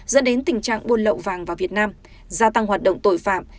dẫn đến tình trạng buôn lậu vàng vào việt nam gia tăng hoạt động tội phạm